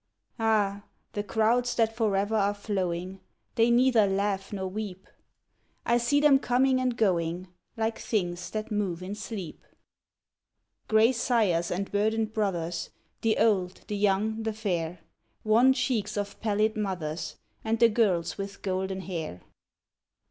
Ah ! the crowds that for ever are flowing — They neither laugh nor weep — I see them coming and going. Like things that move in sleep: Gray sires and burdened brothers. The old. the young, the fair. SAPPHICS 217 Wan cheeks of pallid mothers, And the girls with golden hair.